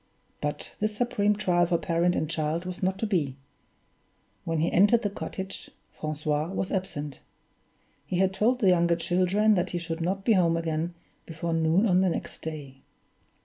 But this supreme trial for parent and child was not to be. When he entered the cottage, Francois was absent. He had told the younger children that he should not be home again before noon on the next day.